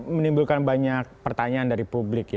menimbulkan banyak pertanyaan dari publik